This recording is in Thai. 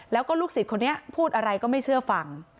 แล้วก็ลูกศิษย์คนนี้พูดอะไรก็ไม่เชื่อฟัง